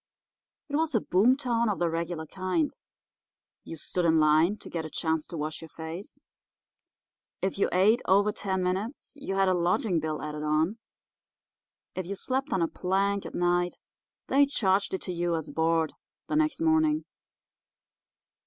It was a boom town of the regular kind—you stood in line to get a chance to wash your face; if you ate over ten minutes you had a lodging bill added on; if you slept on a plank at night they charged it to you as board the next morning.